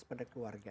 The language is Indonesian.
yang tidak mempunyai